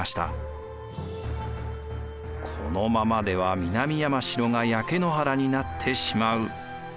「このままでは南山城が焼け野原になってしまう」。